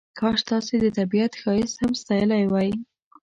کاش تاسې د طبیعت ښایست هم ساتلی وای.